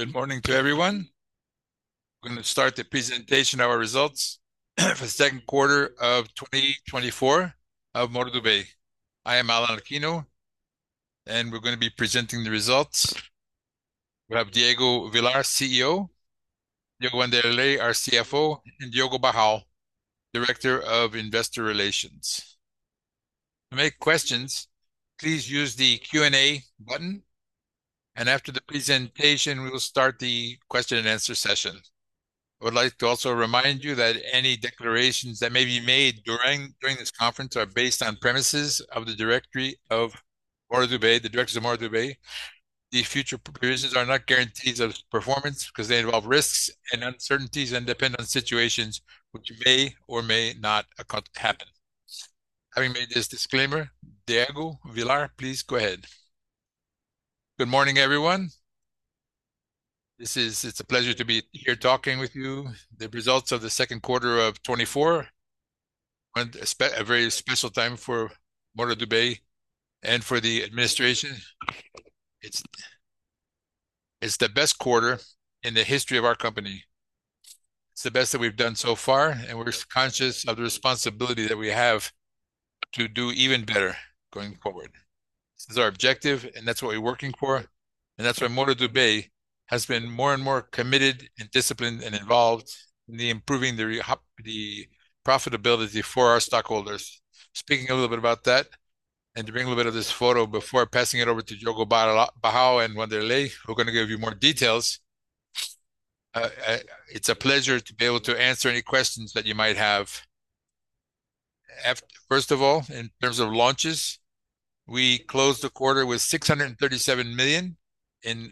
Good morning to everyone. We're gonna start the presentation of our results for the second quarter of 2024 of Moura Dubeux. I am Allan Aquino, and we're gonna be presenting the results. We have Diego Villar, CEO, Diego Wanderley, our CFO, and Diogo Barral, Director of Investor Relations. To make questions, please use the Q&A button, and after the presentation, we will start the question and answer session. I would like to also remind you that any declarations that may be made during this conference are based on premises of the directors of Moura Dubeux, the directors of Moura Dubeux. The future predictions are not guarantees of performance 'cause they involve risks and uncertainties and depend on situations which may or may not happen. Having made this disclaimer, Diego Villar, please go ahead. Good morning, everyone. It's a pleasure to be here talking with you the results of the second quarter of 2024, and a very special time for Moura Dubeux and for the administration. It's the best quarter in the history of our company. It's the best that we've done so far, and we're conscious of the responsibility that we have to do even better going forward. This is our objective, and that's what we're working for. That's why Moura Dubeux has been more and more committed and disciplined and involved in improving the profitability for our stockholders. Speaking a little bit about that, and to bring a little bit of this photo before passing it over to Diogo Barral and Diego Wanderley, who are gonna give you more details. It's a pleasure to be able to answer any questions that you might have. First of all, in terms of launches, we closed the quarter with 637 million in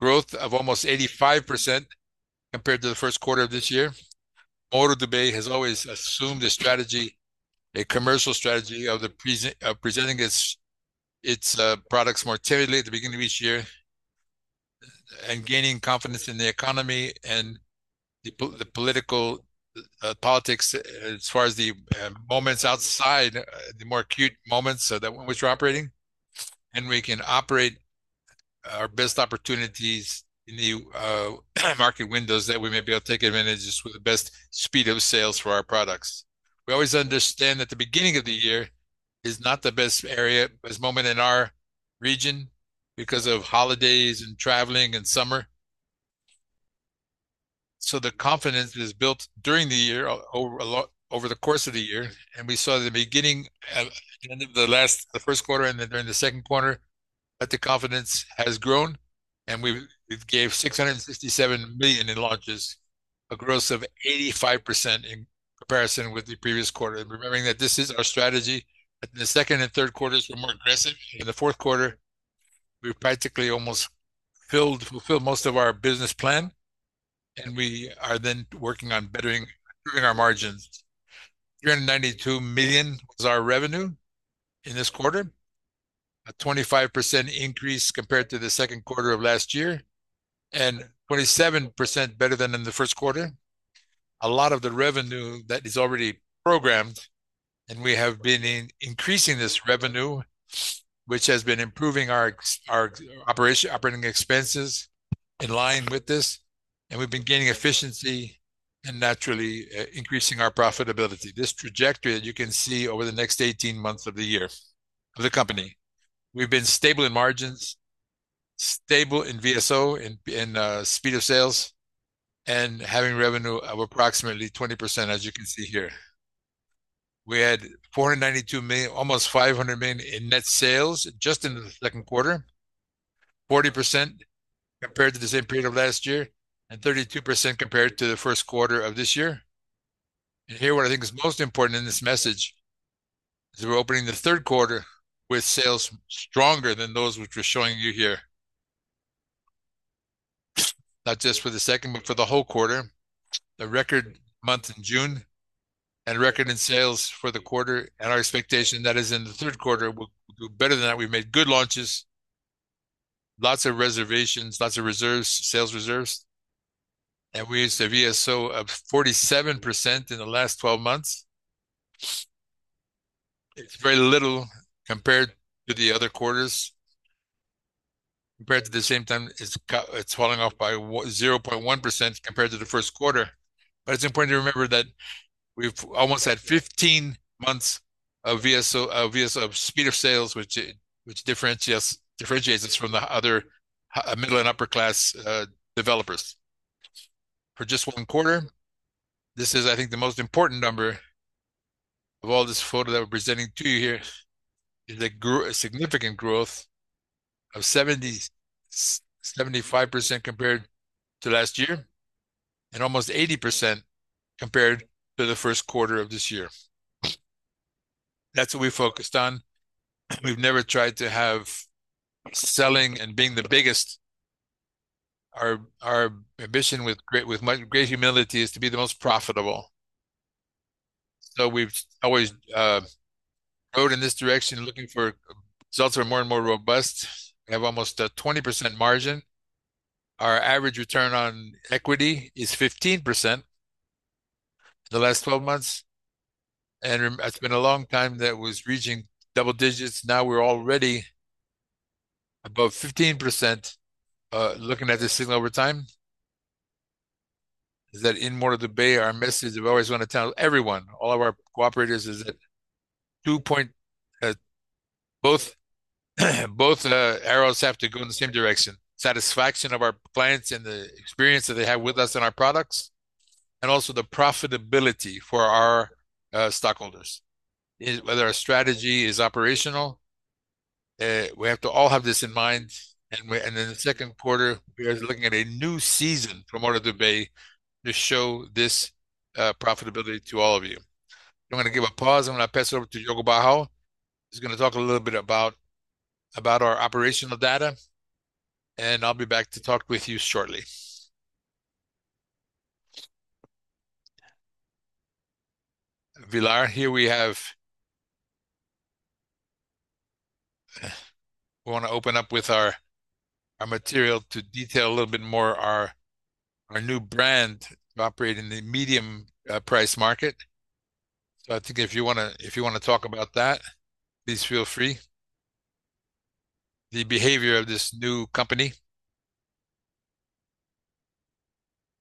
growth of almost 85% compared to the first quarter of this year. Moura Dubeux has always assumed the strategy, a commercial strategy of presenting its products more timely at the beginning of each year, and gaining confidence in the economy and the political politics as far as the moments outside the more acute moments in which we're operating. We can operate our best opportunities in the market windows that we may be able to take advantage with the best speed of sales for our products. We always understand that the beginning of the year is not the best moment in our region because of holidays and traveling and summer. The confidence is built during the year over the course of the year, and we saw the beginning of the end of the last the first quarter and then during the second quarter that the confidence has grown, and we've gave 667 million in launches, a growth of 85% in comparison with the previous quarter. Remembering that this is our strategy, that the second and third quarters were more aggressive. In the fourth quarter, we practically almost fulfilled most of our business plan, and we are then working on improving our margins. 392 million was our revenue in this quarter. A 25% increase compared to the second quarter of last year, and 27% better than in the first quarter. A lot of the revenue that is already programmed, and we have been increasing this revenue, which has been improving our operating expenses in line with this, and we've been gaining efficiency and naturally increasing our profitability. This trajectory that you can see over the next 18 months of the company. We've been stable in margins, stable in VSO, speed of sales, and having revenue of approximately 20%, as you can see here. We had 492 million, almost 500 million in net sales just in the second quarter. 40% compared to the same period of last year, and 32% compared to the first quarter of this year. Here, what I think is most important in this message, is we're opening the third quarter with sales stronger than those which we're showing you here. Not just for the second, but for the whole quarter. A record month in June and record in sales for the quarter. Our expectation that is in the third quarter we'll do better than that. We've made good launches, lots of reservations, lots of reserves, sales reserves. We use the VSO of 47% in the last 12 months. It's very little compared to the other quarters. Compared to the same time, it's falling off by 0.1% compared to the first quarter. It's important to remember that we've almost had 15 months of VSO, speed of sales, which differentiates us from the other middle and upper class developers. For just one quarter, this is, I think, the most important number of all this portfolio that we're presenting to you here, a significant growth of 75% compared to last year, and almost 80% compared to the first quarter of this year. That's what we focused on. We've never tried to have selling and being the biggest. Our ambition with great humility is to be the most profitable. We've always guided in this direction, looking for results that are more and more robust. We have almost a 20% margin. Our average return on equity is 15%. In the last 12 months, it's been a long time that was reaching double digits. Now we're already above 15%, looking at this signal over time. In Moura Dubeux, our message we always wanna tell everyone, all of our cooperators is that two points. Both arrows have to go in the same direction. Satisfaction of our clients and the experience that they have with us and our products, and also the profitability for our stockholders. Whether our strategy is operational, we have to all have this in mind. In the second quarter, we are looking at a new season for Moura Dubeux to show this profitability to all of you. I'm gonna give a pause, and I'm gonna pass it over to Diogo Barral. He's gonna talk a little bit about our operational data, and I'll be back to talk with you shortly. Villar, here we have. We wanna open up with our material to detail a little bit more our new brand to operate in the medium price market. I think if you wanna talk about that, please feel free. The behavior of this new company.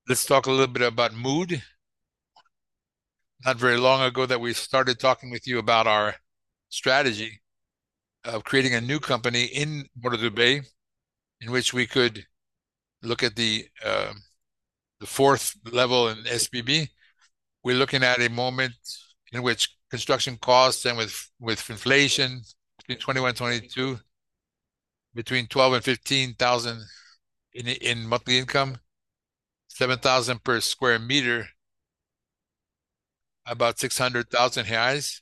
Let's talk a little bit about Mood. Not very long ago that we started talking with you about our strategy of creating a new company in Morada do Bem in which we could look at the fourth level in SBPE. We're looking at a moment in which construction costs and with inflation between 2021 and 2022, between 12 and 15 thousand in monthly income, 7,000 per square meter, about 600,000 reais.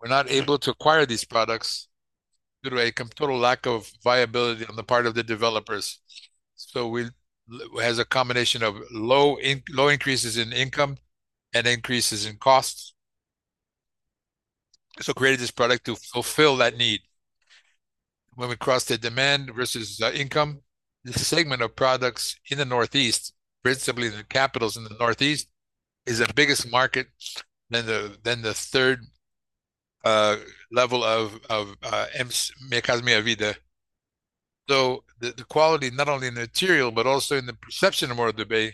We're not able to acquire these products due to a total lack of viability on the part of the developers. We launched as a combination of low increases in income and increases in costs. Created this product to fulfill that need. When we cross the demand versus the income, this segment of products in the northeast, principally in the capitals in the northeast, is the biggest market bigger than the third level of Minha Casa, Minha Vida. The quality, not only in the material, but also in the perception of Morada do Bem,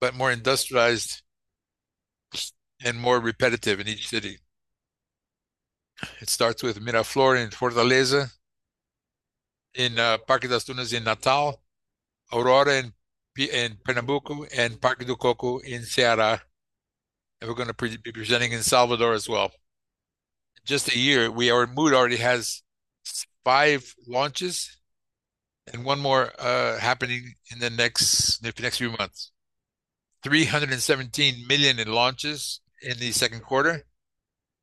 but more industrialized and more repetitive in each city. It starts with Miraflor in Fortaleza, Parque das Dunas in Natal, Aurora in Pernambuco, and Parque do Cocó in Ceará, and we're gonna be presenting in Salvador as well. In just a year, Mood already has five launches and one more happening in the next few months. 317 million in launches in the second quarter.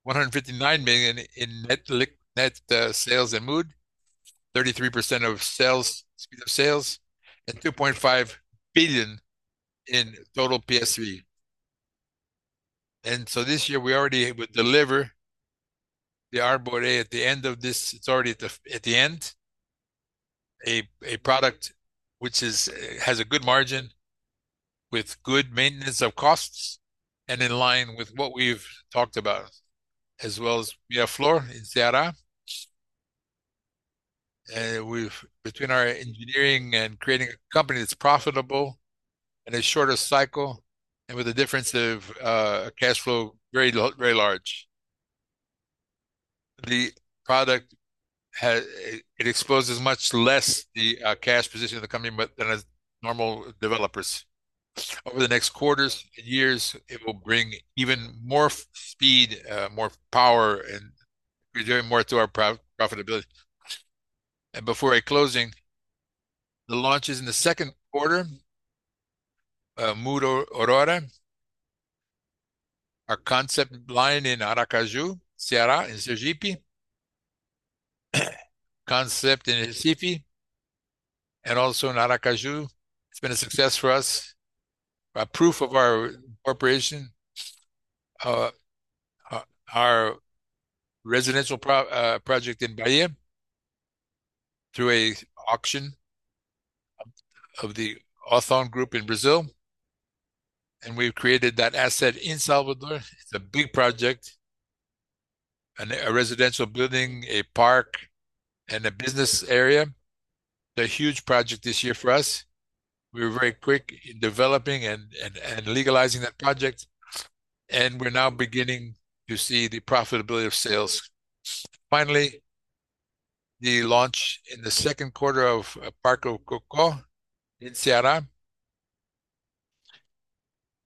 159 million in net sales in Mood. 33% of sales, speed of sales, and 2.5 billion in total PSV. This year we already would deliver the Arborê at the end of this. It's already at the end. A product which has a good margin with good maintenance of costs and in line with what we've talked about, as well as Viaflor in Ceará. We've between our engineering and creating a company that's profitable and a shorter cycle and with a difference of cash flow very large. The product exposes much less the cash position of the company, but than as normal developers. Over the next quarters and years, it will bring even more speed, more power and contribute more to our profitability. Before closing, the launches in the second quarter, Mood Aurora. Our Concept line in Aracaju, Ceará and Sergipe. Concept in Recife and also in Aracaju. It's been a success for us. A proof of our acquisition, our residential project in Bahia through an auction of the Athon in Brazil. We've acquired that asset in Salvador. It's a big project, a residential building, a park, and a business area. It's a huge project this year for us. We were very quick in developing and legalizing that project, and we're now beginning to see the profitability of sales. Finally, the launch in the second quarter of Parque do Cocó in Ceará.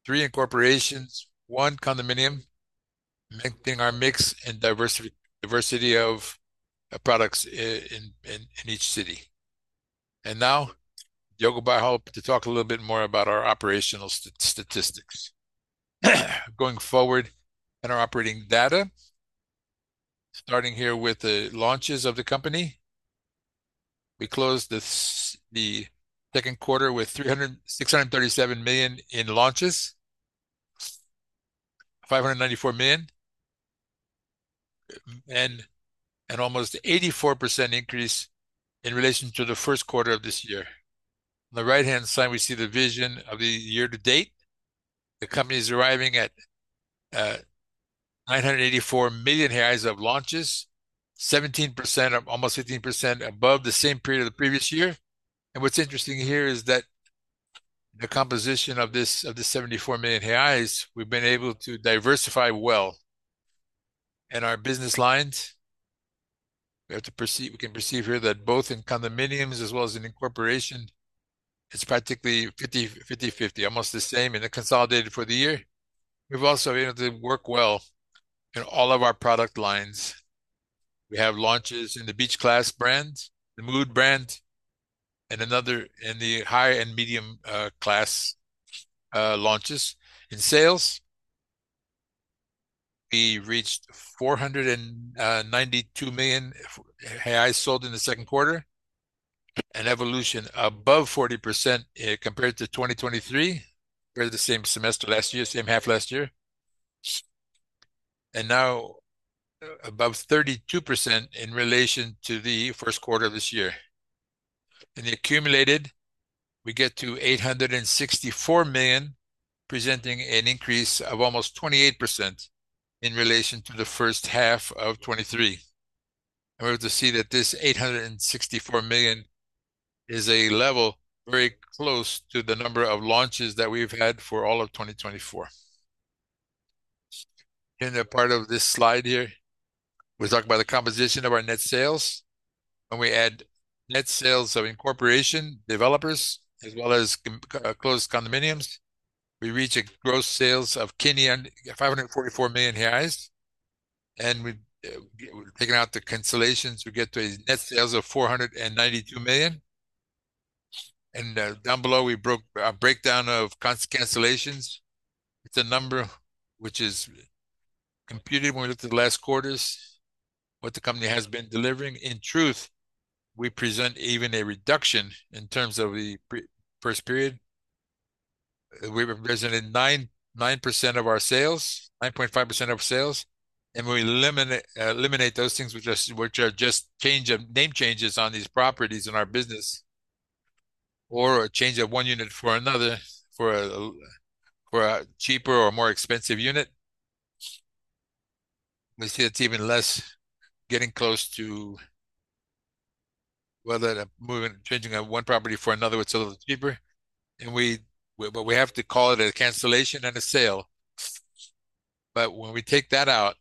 Three incorporations, one condominium, making our mix and diversity of products in each city. Now Diogo Barral to talk a little bit more about our operational statistics. Going forward in our operating data, starting here with the launches of the company. We closed the second quarter with 637 million in launches. 594 million and an almost 84% increase in relation to the first quarter of this year. On the right-hand side, we see the version of the year to date. The company is arriving at 984 million reais of launches. Almost 15% above the same period of the previous year. What's interesting here is that the composition of this 74 million reais, we've been able to diversify well. In our business lines, we can perceive here that both in condominiums as well as in incorporation, it's practically 50/50, almost the same in the consolidated for the year. We've also been able to work well in all of our product lines. We have launches in the Beach Class brands, the Mood brand, and another in the high and medium class launches. In sales, we reached 492 million reais sold in the second quarter, an evolution above 40%, compared to 2023, compared to the same semester last year, same half last year. Now above 32% in relation to the first quarter of this year. In the accumulated, we get to 864 million, presenting an increase of almost 28% in relation to the first half of 2023. We're able to see that this 864 million is a level very close to the number of launches that we've had for all of 2024. In the part of this slide here, we talk about the composition of our net sales. When we add net sales of incorporation, development, as well as closed condominiums, we reach gross sales of nearly 544 million reais. Taking out the cancellations, we get to a net sales of 492 million. Down below, we have a breakdown of cancellations. It's a number which is computed when we look at the last quarters what the company has been delivering. In truth, we present even a reduction in terms of the first period. We represented 9% of our sales, 9.5% of sales. When we eliminate those things which are just name changes on these properties in our business or a change of one unit for another for a cheaper or more expensive unit, we see it's even less getting close to whether changing one property for another that's a little cheaper. But we have to call it a cancellation and a sale. When we take that out,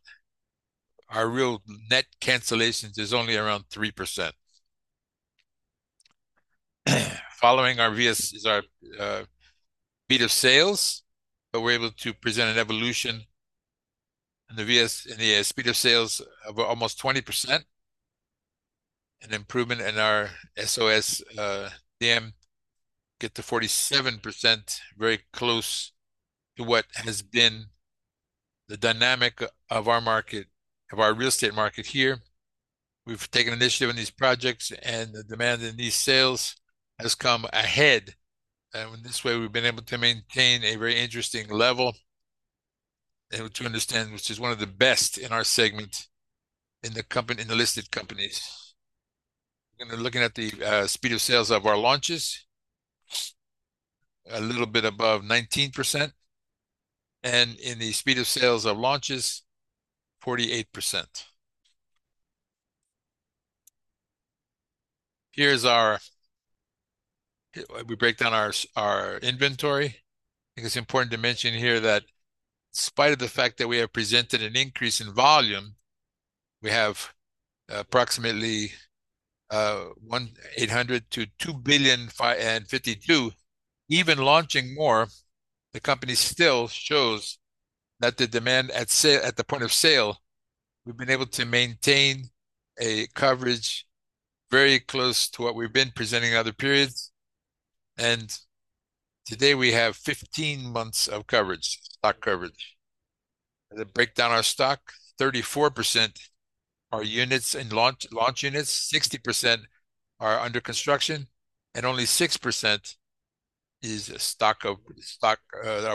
our real net cancellations is only around 3%. Following our VSO is our speed of sales, but we're able to present an evolution in the VSO in the speed of sales of almost 20%, an improvement in our SOS that managed to get to 47%, very close to what has been the dynamic of our real estate market here. We've taken initiative in these projects, and the demand in these sales has come ahead. This way, we've been able to maintain a very interesting level, able to understand which is one of the best in our segment in the listed companies. Looking at the speed of sales of our launches, a little bit above 19%. In the speed of sales of launches, 48%. We break down our inventory. I think it's important to mention here that in spite of the fact that we have presented an increase in volume, we have approximately 1.8 billion-2.052 billion. Even launching more, the company still shows that the demand at the point of sale, we've been able to maintain a coverage very close to what we've been presenting in other periods. Today, we have 15 months of coverage, stock coverage. The breakdown our stock, 34% are units in launch units, 60% are under construction, and only 6% is stock of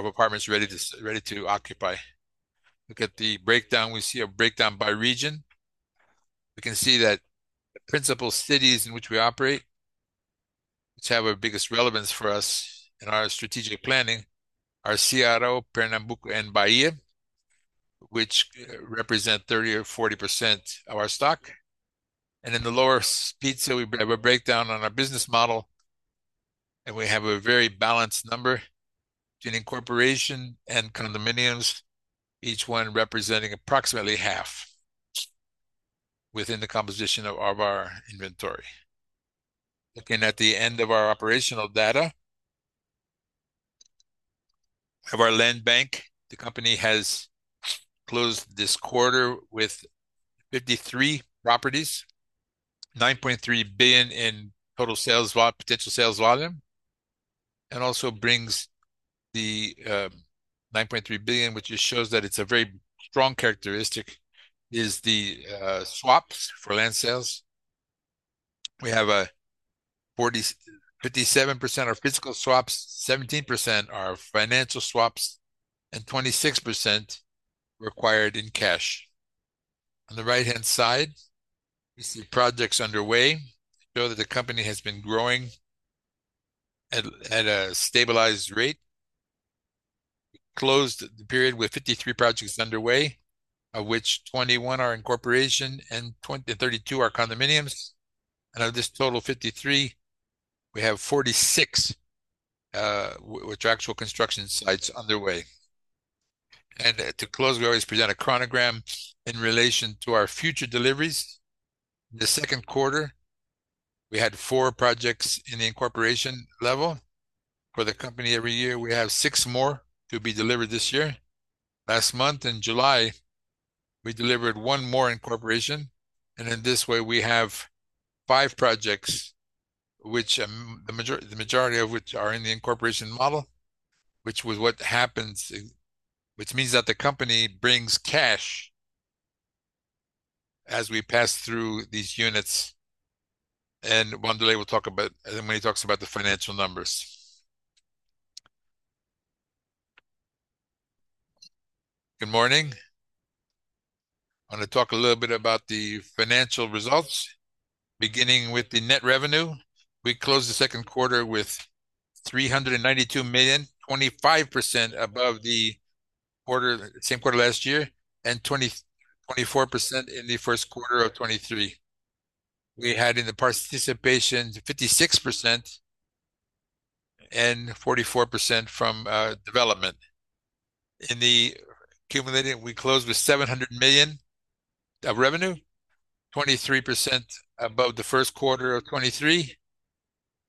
apartments ready to occupy. Look at the breakdown. We see a breakdown by region. We can see that the principal cities in which we operate, which have the biggest relevance for us in our strategic planning, are Ceará, Pernambuco, and Bahia, which represent 30%-40% of our stock. In the lower section, we have a breakdown on our business model, and we have a very balanced number between incorporation and condominiums, each one representing approximately half within the composition of our inventory. Looking at the end of our operational data of our land bank, the company has closed this quarter with 53 properties, 9.3 billion in total potential sales volume, and also brings the 9.3 billion which just shows that it's a very strong characteristic is the swaps for land sales. We have 57% are physical swaps, 17% are financial swaps, and 26% required in cash. On the right-hand side, we see projects underway to show that the company has been growing at a stabilized rate. We closed the period with 53 projects underway, of which 21 are incorporation and 32 are condominiums. Of this total 53, we have 46 which are actual construction sites underway. To close, we always present a chronogram in relation to our future deliveries. The second quarter, we had four projects in the incorporation level. For the company every year, we have six more to be delivered this year. Last month in July, we delivered one more incorporation, and in this way, we have five projects which the majority of which are in the incorporation model, which means that the company brings cash as we pass through these units. Diego Wanderley will talk about the financial numbers. Good morning. I'm gonna talk a little bit about the financial results, beginning with the net revenue. We closed the second quarter with 392 million, 25% above the same quarter last year, and 24% in the first quarter of 2023. We had in the participation 56% and 44% from development. In the accumulation, we closed with 700 million of revenue, 23% above the first quarter of 2023.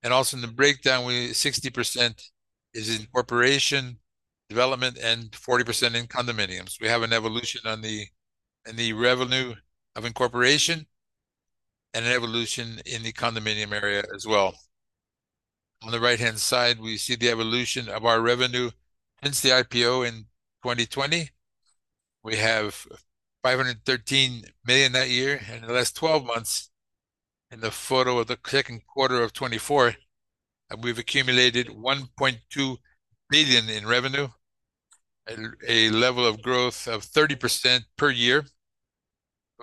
Also in the breakdown, 60% is incorporation development and 40% in condominiums. We have an evolution in the revenue of incorporation and an evolution in the condominium area as well. On the right-hand side, we see the evolution of our revenue since the IPO in 2020. We have 513 million that year. In the last 12 months as of the second quarter of 2024, we've accumulated 1.2 billion in revenue at a level of growth of 30% per year.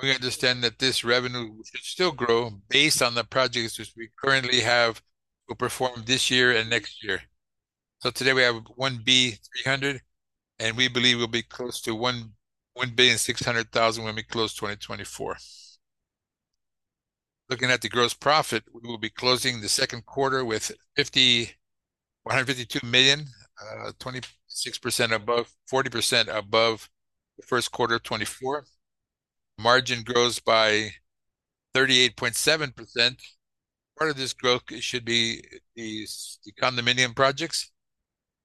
We understand that this revenue should still grow based on the projects which we currently have to perform this year and next year. Today we have 1.3 billion, and we believe we'll be close to 1.6 billion when we close 2024. Looking at the gross profit, we will be closing the second quarter with 152 million, 40% above the first quarter of 2024. Margin grows by 38.7%. Part of this growth should be these condominium projects,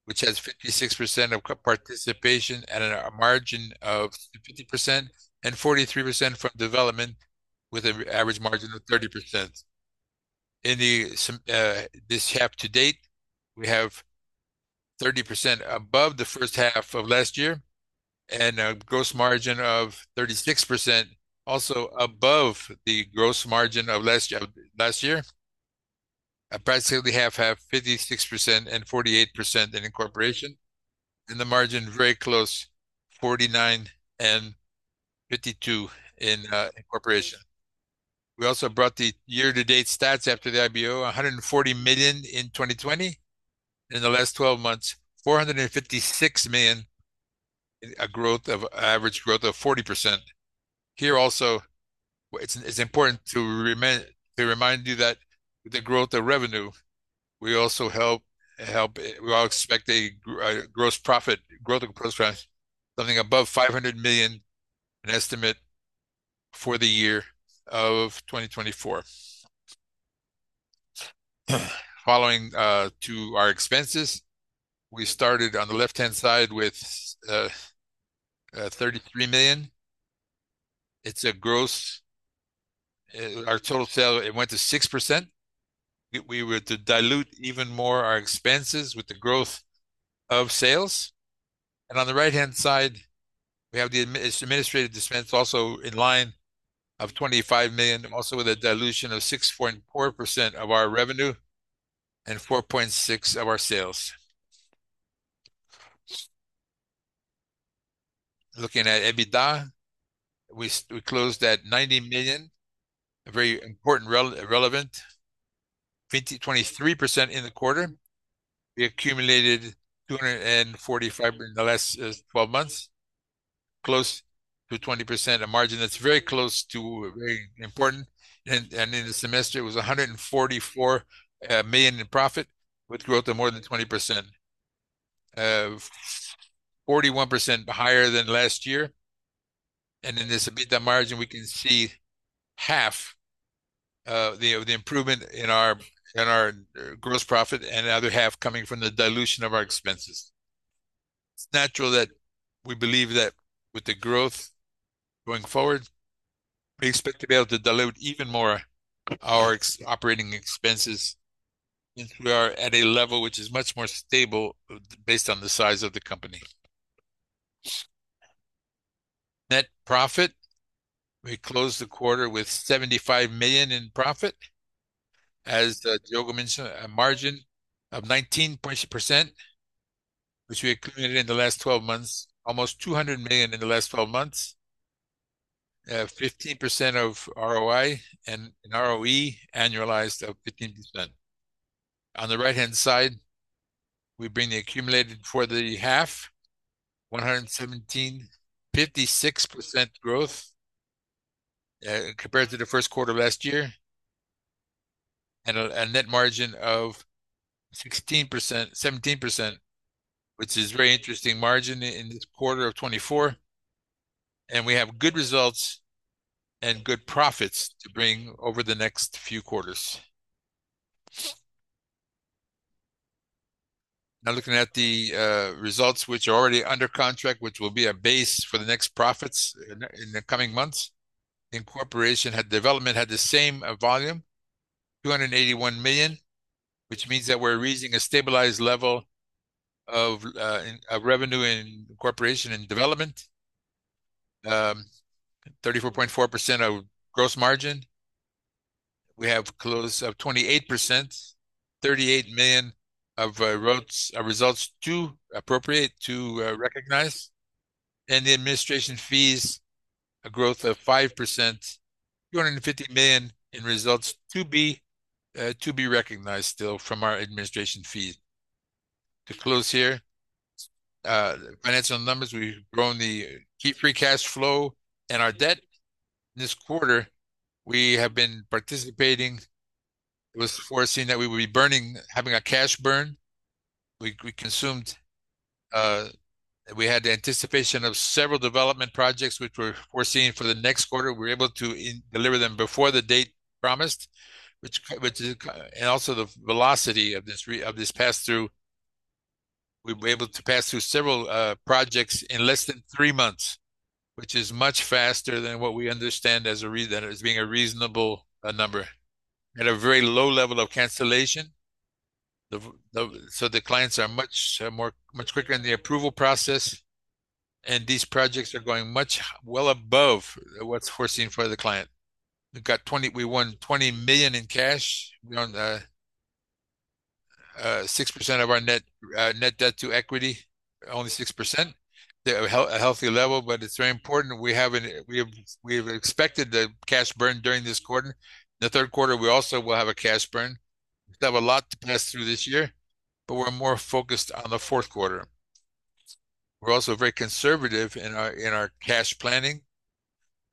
which has 56% of participation at a margin of 50% and 43% from development with an average margin of 30%. In this half to date, we have 30% above the first half of last year and a gross margin of 36%, also above the gross margin of last year. Approximately half have 56% and 48% in incorporation. In the margin, very close, 49% and 52% in incorporation. We also brought the year-to-date stats after the IPO, 140 million in 2020. In the last 12 months, 456 million, a growth of average growth of 40%. Here also, it's important to remind you that with the growth of revenue, we all expect growth of gross profit something above 500 million, an estimate for the year of 2024. Following to our expenses, we started on the left-hand side with 33 million. Our total SG&A, it went to 6%. We were to dilute even more our expenses with the growth of sales. On the right-hand side, we have the administrative expenses also in line of 25 million, also with a dilution of 6.4% of our revenue and 4.6% of our sales. Looking at EBITDA, we closed at 90 million, a very important relevant 23% in the quarter. We accumulated 245 million in the last 12 months, close to 20%, a margin that's very close to very important. In the semester, it was 144 million in profit with growth of more than 20%. 41% higher than last year. In this EBITDA margin, we can see half of the improvement in our gross profit and the other half coming from the dilution of our expenses. It's natural that we believe that with the growth going forward, we expect to be able to dilute even more our operating expenses since we are at a level which is much more stable based on the size of the company. Net profit. We closed the quarter with 75 million in profit. As Diogo mentioned, a margin of 19%, which we accumulated in the last twelve months, almost 200 million in the last twelve months. Fifteen percent of ROI and an ROE annualized of 15%. On the right-hand side, we bring the accumulated for the half, 117 million. 56% growth, compared to the first quarter of last year, and a net margin of 16%-17%, which is very interesting margin in this quarter of 2024. We have good results and good profits to bring over the next few quarters. Now looking at the results which are already under contract, which will be a base for the next profits in the coming months. Development had the same volume, 281 million, which means that we're reaching a stabilized level of revenue in corporation and development. 34.4% gross margin. We have close to 28%, 38 million of results appropriate to recognize. The administration fees, a growth of 5%, 250 million in results to be recognized still from our administration fees. To close here, financial numbers, we've grown the free cash flow and our debt. This quarter, it was foreseen that we would be having a cash burn. We consumed. We had the anticipation of several development projects which were foreseen for the next quarter. We were able to deliver them before the date promised, which is, and also the velocity of this pass-through. We were able to pass through several projects in less than three months, which is much faster than what we understand as being a reasonable number. At a very low level of cancellation. The clients are much quicker in the approval process, and these projects are going well above what's foreseen for the client. We own 20 million in cash. We own 6% of our net debt to equity, only 6%. A healthy level, but it's very important we have expected the cash burn during this quarter. In the third quarter, we also will have a cash burn. We have a lot to pass through this year, but we're more focused on the fourth quarter. We're also very conservative in our cash planning.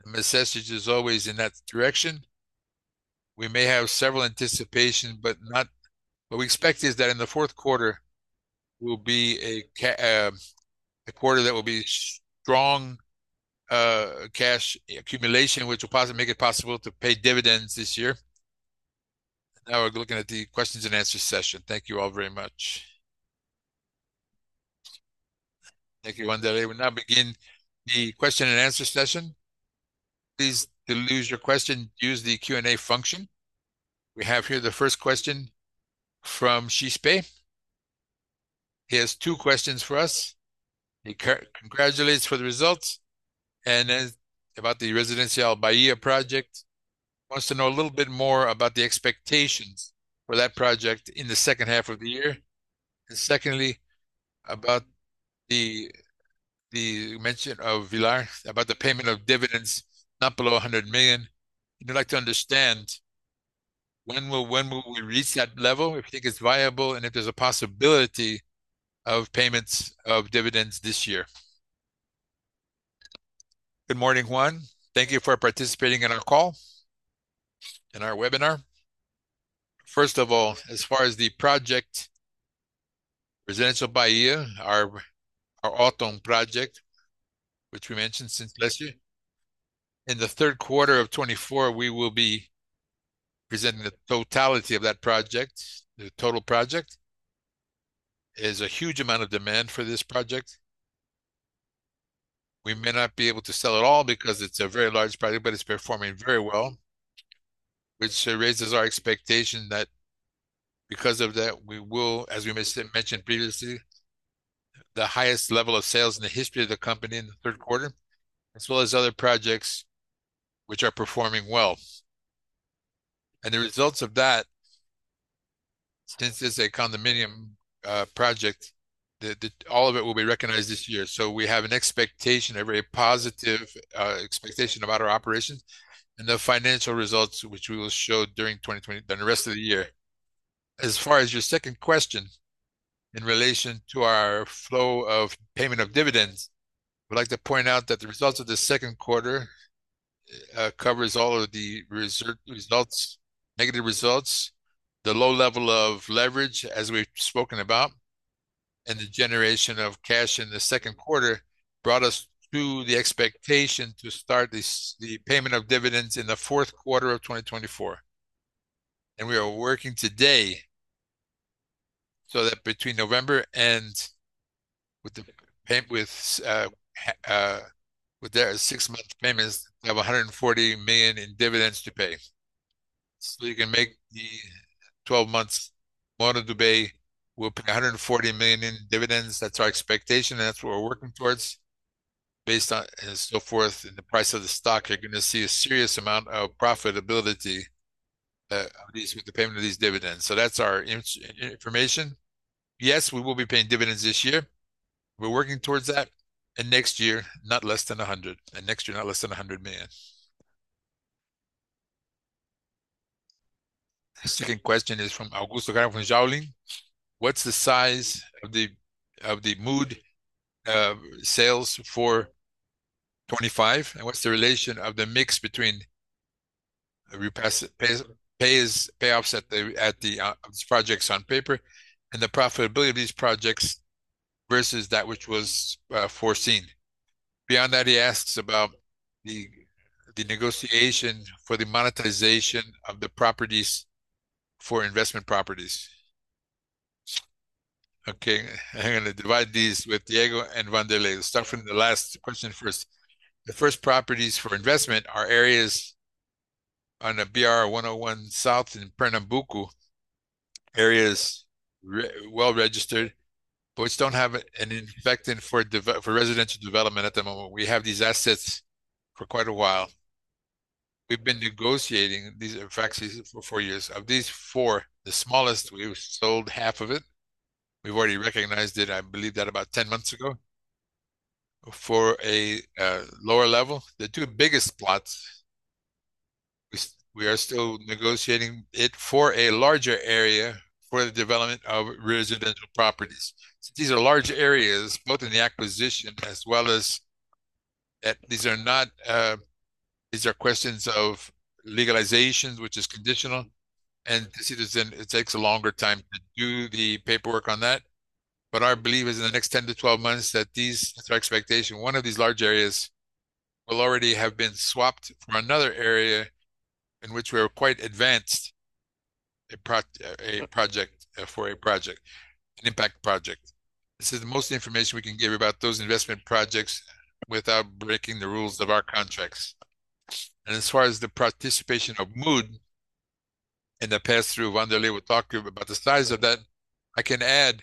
The message is always in that direction. We may have several anticipations, but what we expect is that in the fourth quarter will be a quarter that will be strong cash accumulation, which will make it possible to pay dividends this year. Now we're looking at the question and answer session. Thank you all very much. Thank you, João. We will now begin the question and answer session. Please, to pose your question, use the Q&A function. We have here the first question from Chispe. He has two questions for us. He congratulates for the results and then about the Residencial Bahia project. Wants to know a little bit more about the expectations for that project in the second half of the year. Secondly, about the mention of Villar, about the payment of dividends not below 100 million. He'd like to understand when will we reach that level, if he think it's viable, and if there's a possibility of payments of dividends this year. Good morning, Juan. Thank you for participating in our call, in our webinar. First of all, as far as the project Residencial Bahia, our Arborê project, which we mentioned since last year. In the third quarter of 2024, we will be presenting the totality of that project, the total project. There's a huge amount of demand for this project. We may not be able to sell it all because it's a very large project, but it's performing very well, which raises our expectation that because of that, we will, as we mentioned previously, the highest level of sales in the history of the company in the third quarter, as well as other projects which are performing well. The results of that, since it's a condominium project, all of it will be recognized this year. We have an expectation, a very positive expectation about our operations and the financial results which we will show during 2020, the rest of the year. As far as your second question in relation to our flow of payment of dividends, I would like to point out that the results of the second quarter covers all of the results, negative results, the low level of leverage, as we've spoken about, and the generation of cash in the second quarter brought us to the expectation to start this, the payment of dividends in the fourth quarter of 2024. We are working today so that between November and with the six-month payments, we have 140 million in dividends to pay. You can make the 12 months, Moura Dubeux will pay 140 million in dividends. That's our expectation, that's what we're working towards based on and so forth, and the price of the stock, you're gonna see a serious amount of profitability, with the payment of these dividends. That's our information. Yes, we will be paying dividends this year. We're working towards that. Next year, not less than 100 million. The second question is from Augusto Caro from Jaulin. What's the size of the Mood sales for 2025? And what's the relation of the mix between repass payments payoffs at the projects on paper and the profitability of these projects versus that which was foreseen? Beyond that, he asks about the negotiation for the monetization of the properties for investment properties. Okay, I'm gonna divide these with Diego Wanderley. Let's start from the last question first. The first properties for investment are areas on the BR-101 South in Pernambuco. Areas well registered, but which don't have an infrastructure for residential development at the moment. We have these assets for quite a while. We've been negotiating these in fact for four years. Of these four, the smallest we've sold half of it. We've already recognized it, I believe that about 10 months ago for a lower level. The two biggest plots we are still negotiating it for a larger area for the development of residential properties. Since these are large areas, both in the acquisition as well as these are questions of legalizations, which is conditional, and since it takes a longer time to do the paperwork on that. Our belief is in the next 10-12 months, that these, it's our expectation one of these large areas will already have been swapped from another area in which we are quite advanced a project for a project, an impact project. This is the most information we can give about those investment projects without breaking the rules of our contracts. As far as the participation of Mood in the pass-through, Wanderley will talk to you about the size of that. I can add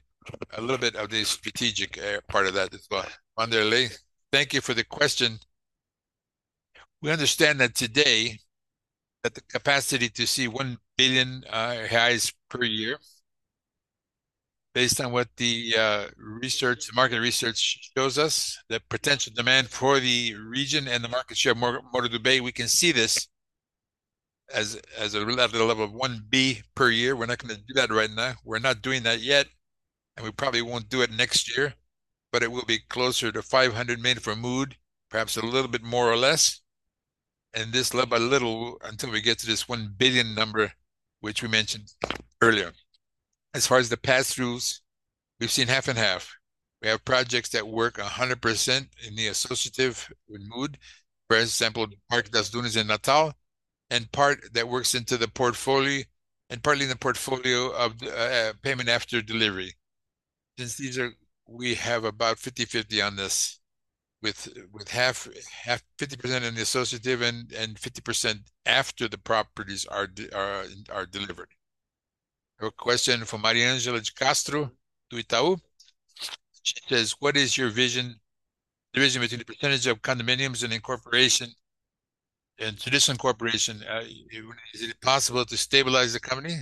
a little bit of the strategic part of that as well. Wanderley, thank you for the question. We understand that today that the capacity to see 1 billion reais per year based on what the research, market research shows us, the potential demand for the region and the market share of Moura Dubeux, we can see this as a level of 1 billion per year. We're not gonna do that right now. We're not doing that yet, and we probably won't do it next year, but it will be closer to 500 million for Mood, perhaps a little bit more or less. This by little until we get to this 1 billion number which we mentioned earlier. As far as the pass-throughs, we've seen half and half. We have projects that work 100% in the associative with Mood. For example, the Parque das Dunas in Natal, and part that works into the portfolio and partly in the portfolio of the payment after delivery. Since we have about 50/50 on this with half, 50% in the associative and 50% after the properties are delivered. A question from Mariangela de Castro of Itaú BBA. She says, "What is your vision between the percentage of condominiums and incorporation and traditional incorporation? Is it possible to stabilize the company?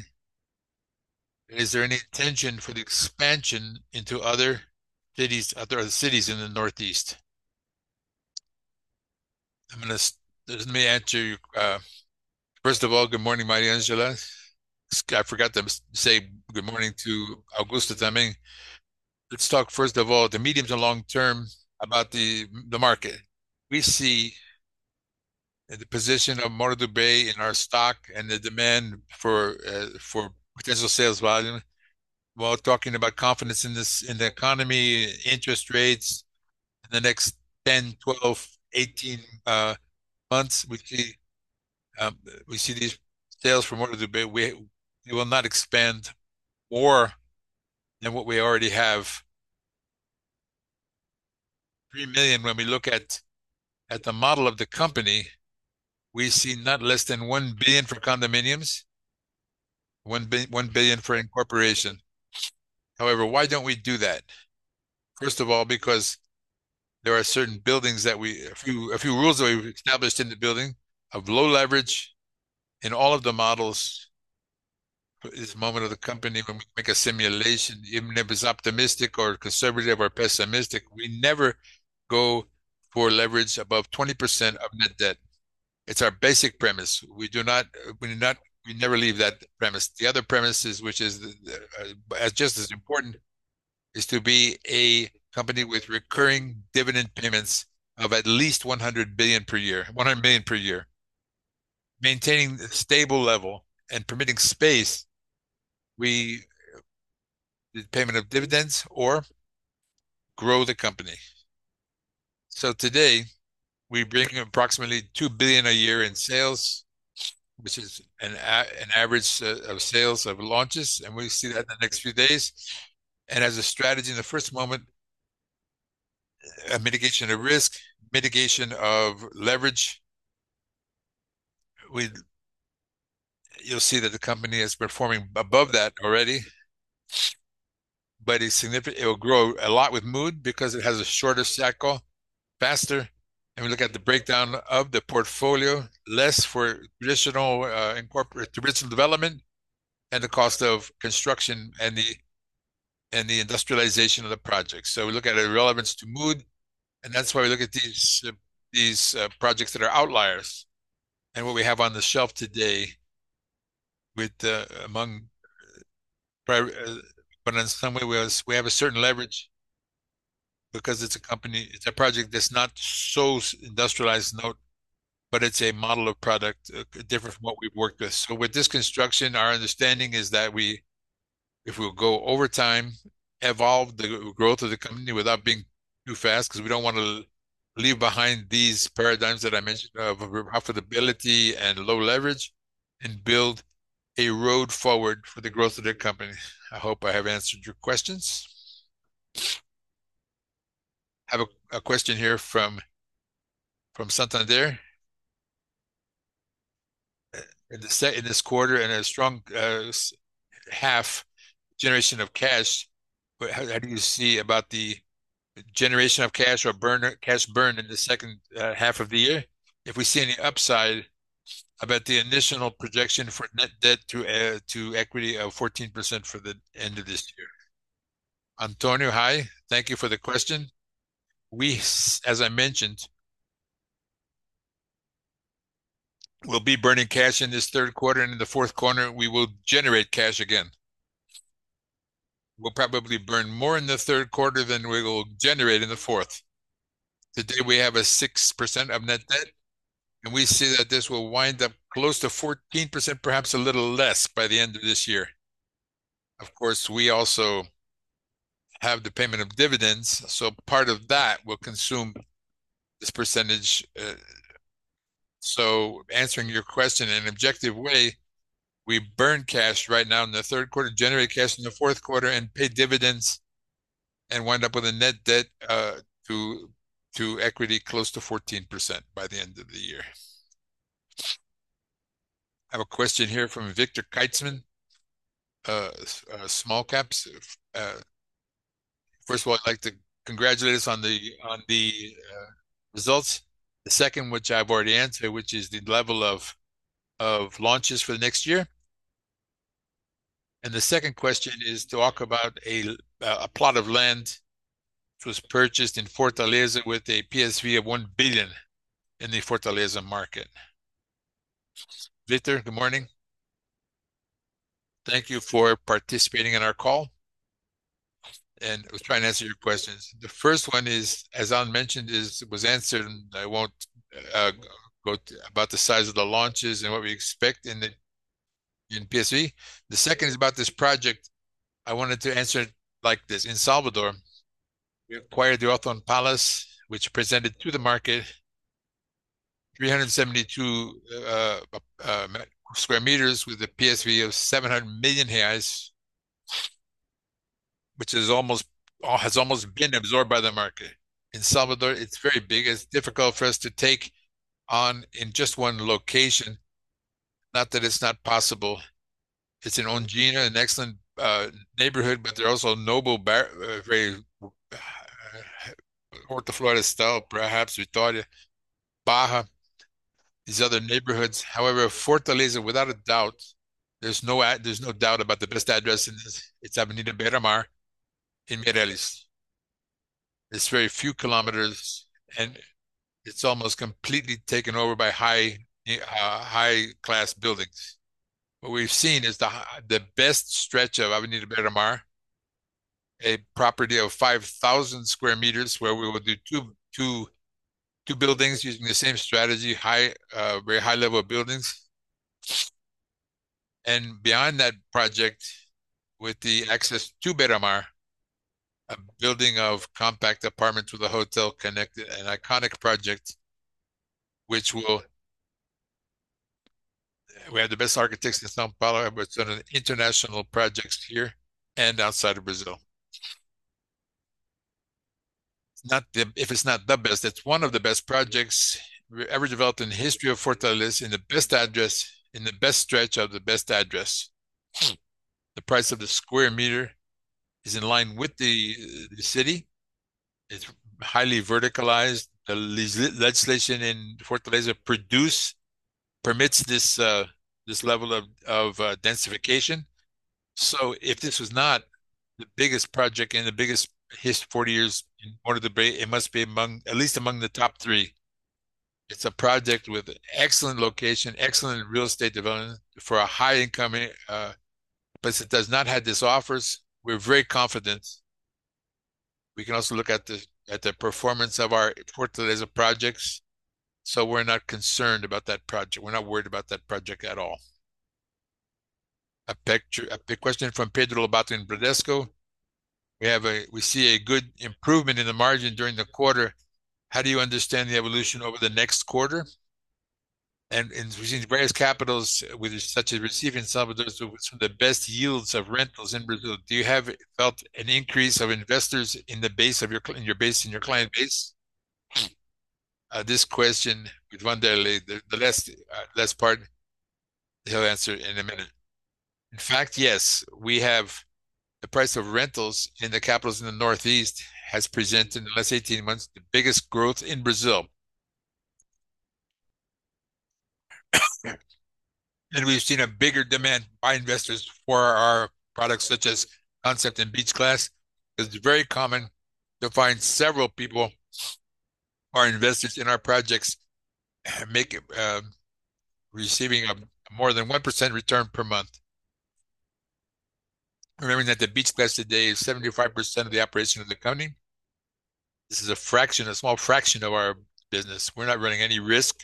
Is there any intention for the expansion into other cities in the northeast?" I'm gonna let me answer you, first of all, good morning, Mariangela. I forgot to say good morning to Augusto Caro. Let's talk first of all the medium and long-term about the market. We see the position of Moura Dubeux in our stock and the demand for potential sales volume while talking about confidence in this, in the economy, interest rates in the next 10, 12, 18 months. We see these sales from Moura Dubeux, it will not expand more than what we already have. 3 million when we look at the model of the company, we see not less than 1 billion for condominiums, 1 billion for incorporation. However, why don't we do that? First of all, because there are a few rules that we've established in the building of low leverage in all of the models. It's a moment of the company when we make a simulation, even if it's optimistic or conservative or pessimistic, we never go for leverage above 20% of net debt. It's our basic premise. We never leave that premise. The other premise, which is just as important, is to be a company with recurring dividend payments of at least 100 million per year. Maintaining a stable level and permitting space. The payment of dividends or grow the company. Today, we bring approximately 2 billion a year in sales, which is an average of sales of launches, and we see that in the next few days. As a strategy in the first moment, a mitigation of risk, mitigation of leverage. You'll see that the company is performing above that already, but it'll grow a lot with Mood because it has a shorter cycle, faster. We look at the breakdown of the portfolio, less for traditional development and the cost of construction and the industrialization of the project. We look at the relevance to Mood, and that's why we look at these projects that are outliers. What we have on the shelf today, but in some way we have a certain leverage because it's a project that's not so industrialized. It's a model of product different from what we've worked with. With this construction, our understanding is that if we'll go over time, evolve the growth of the company without being too fast, because we don't wanna leave behind these paradigms that I mentioned of affordability and low leverage, and build a road forward for the growth of the company. I hope I have answered your questions. I have a question here from Santander. In this quarter and a strong half generation of cash, but how do you see about the generation of cash or cash burn in the second half of the year? If we see any upside about the initial projection for net debt to equity of 14% for the end of this year. Antonio, hi. Thank you for the question. As I mentioned, we will be burning cash in this third quarter, and in the fourth quarter, we will generate cash again. We'll probably burn more in the third quarter than we will generate in the fourth. Today, we have net debt to equity of 6%, and we see that this will wind up close to 14%, perhaps a little less by the end of this year. Of course, we also have the payment of dividends, so part of that will consume this percentage. Answering your question in an objective way, we burn cash right now in the third quarter, generate cash in the fourth quarter, and pay dividends and wind up with a net debt to equity close to 14% by the end of the year. I have a question here from Victor Cunha, small caps. First of all, I'd like to congratulate us on the results. The second, which I've already answered, which is the level of launches for the next year. The second question is talk about a plot of land which was purchased in Fortaleza with a PSV of 1 billion in the Fortaleza market. Victor, good morning. Thank you for participating in our call, and I'll try and answer your questions. The first one is, as Alan mentioned, was answered, and I won't go about the size of the launches and what we expect in the, in PSV. The second is about this project. I wanted to answer it like this. In Salvador, we acquired the Othon Palace Hotel, which presented to the market 372 square meters with a PSV of 700 million reais, which has almost been absorbed by the market. In Salvador, it's very big. It's difficult for us to take on in just one location. Not that it's not possible. It's in Ondina, an excellent neighborhood, but there are also noble Barra, Horto Florestal, perhaps Vitória, these other neighborhoods. However, Fortaleza, without a doubt, there's no doubt about the best address in this. It's Avenida Beira-Mar in Meireles. It's very few kilometers, and it's almost completely taken over by high-class buildings. What we've seen is the best stretch of Avenida Beira-Mar, a property of 5,000 square meters where we will do two buildings using the same strategy, very high level buildings. Beyond that project, with the access to Beira-Mar, a building of compact apartments with a hotel connected, an iconic project which will. We have the best architects in São Paulo, and we've done international projects here and outside of Brazil. It's not the best. If it's not the best, it's one of the best projects we've ever developed in the history of Fortaleza, in the best address, in the best stretch of the best address. The price of the square meter is in line with the city. It's highly verticalized. The legislation in Fortaleza permits this level of densification. If this was not the biggest project and the biggest in 40 years in order to be, it must be among at least the top three. It's a project with excellent location, excellent real estate development for a high income place that does not have these offers. We're very confident. We can also look at the performance of our Fortaleza projects, so we're not concerned about that project. We're not worried about that project at all. A question from Pedro Lobato in Bradesco BBI. We see a good improvement in the margin during the quarter. How do you understand the evolution over the next quarter? We've seen the various capitals, such as receiving some of the best yields of rentals in Brazil. Have you felt an increase of investors in the base of your client base? This question with Wanderley, the last part, he'll answer in a minute. In fact, yes. The price of rentals in the capitals in the northeast has presented in the last 18 months the biggest growth in Brazil. We've seen a bigger demand by investors for our products such as Concept and Beach Class, because it's very common to find several people who are invested in our projects making more than 1% return per month. Remembering that the Beach Class today is 75% of the operation of the company, this is a fraction, a small fraction of our business. We're not running any risk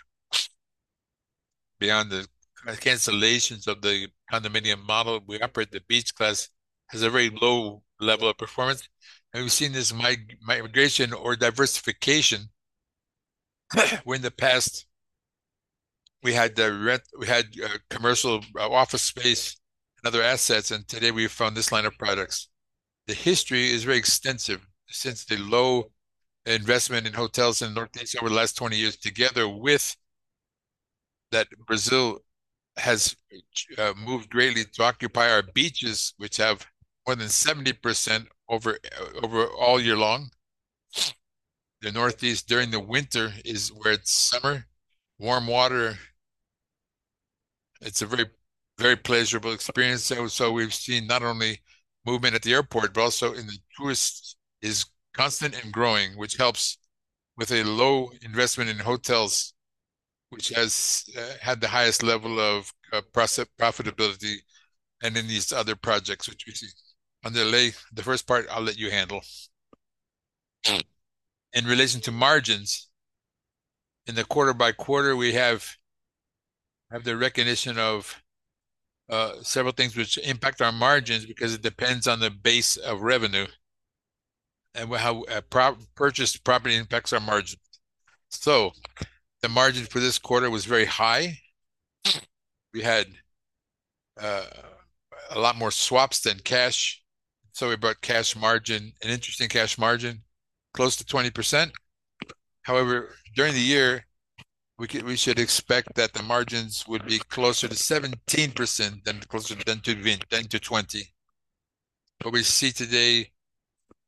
beyond the cancellations of the condominium model. We operate the Beach Class as a very low level of performance, and we've seen this migration or diversification, where in the past we had commercial, office space and other assets, and today we found this line of products. The history is very extensive since the low investment in hotels in Northeast over the last 20 years, together with that Brazil has moved greatly to occupy our beaches, which have more than 70% over all year long. The Northeast during the winter is where it's summer, warm water. It's a very, very pleasurable experience. We've seen not only movement at the airport, but also in the tourism is constant and growing, which helps with a low investment in hotels, which has had the highest level of process profitability and in these other projects which we see. Diego Wanderley, the first part I'll let you handle. In relation to margins, in the quarter by quarter, we have the recognition of several things which impact our margins because it depends on the base of revenue and how purchased property impacts our margins. The margin for this quarter was very high. We had a lot more swaps than cash, so we brought cash margin, an interesting cash margin, close to 20%. However, during the year, we should expect that the margins would be closer to 17% than to 10%-20%. What we see today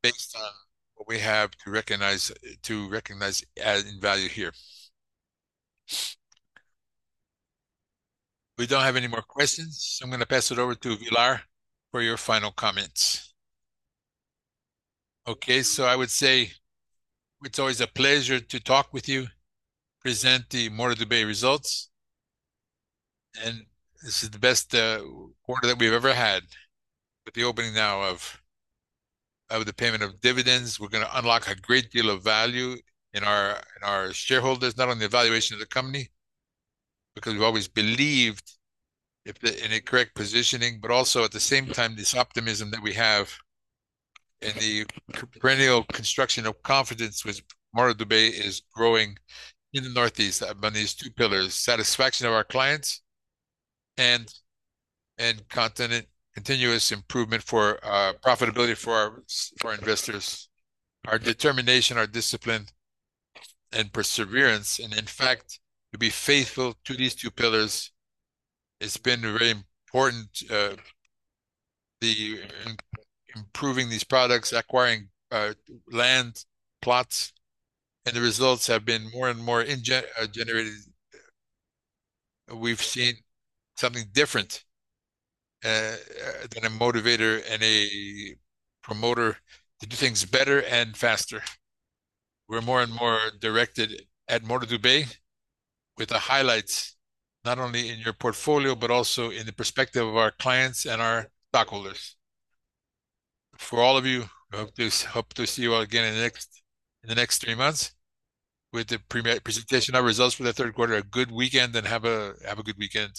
based on what we have to recognize adding value here. We don't have any more questions, so I'm gonna pass it over to Villar for your final comments. Okay. I would say it's always a pleasure to talk with you, present the Moura Dubeux results, and this is the best quarter that we've ever had. With the opening now of the payment of dividends, we're gonna unlock a great deal of value in our shareholders, not only the valuation of the company, because we've always believed in a correct positioning, but also at the same time, this optimism that we have and the perennial construction of confidence with Moura Dubeux is growing in the Northeast among these two pillars, satisfaction of our clients and continuous improvement for profitability for our investors, our determination, our discipline and perseverance. In fact, to be faithful to these two pillars, it's been very important, the improving these products, acquiring land plots, and the results have been more and more generated. We've seen something different than a motivator and a promoter to do things better and faster. We're more and more directed at Moura Dubeux with the highlights, not only in your portfolio, but also in the perspective of our clients and our stockholders. For all of you, hope to see you all again in the next three months with the pre-presentation of results for the third quarter. A good weekend. Have a good weekend.